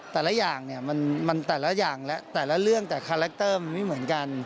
แต่ละอย่างแต่ละเรื่องแต่คาแรคเตอร์มันไม่เหมือนกัน